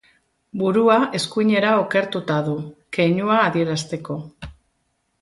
Burua eskuinera okertuta du, keinua adierazteko.